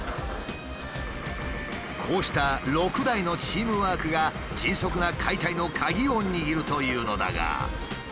こうした６台のチームワークが迅速な解体の鍵を握るというのだが。